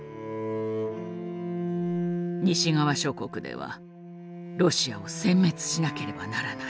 西側諸国ではロシアを殲滅しなければならない。